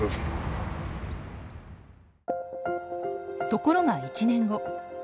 ところが１年後。